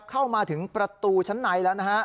เข้ามาถึงประตูชั้นในแล้วนะฮะ